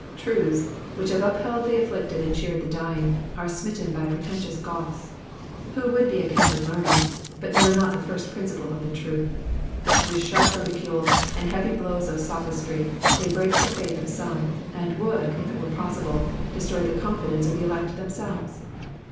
Truths which have upheld the afflicted and cheered the dying are smitten by pretentious Goths, who would be accounted learned, but know not the first principles of the truth. With sharp ridicule, and heavy blows of sophistry, they orcak the faith of some : and would, if it were possible, destroy the confidence of the elect themselves.